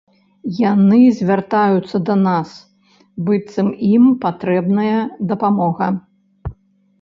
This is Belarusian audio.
Яны звяртаюцца да нас, быццам ім патрэбная дапамога.